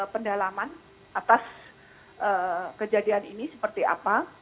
pendalaman atas kejadian ini seperti apa